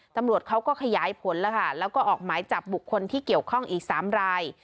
ตำรวจเขาก็ขยายผลแล้วค่ะแล้วก็ออกหมายจับบุคคลที่เกี่ยวข้องอีก๓ราย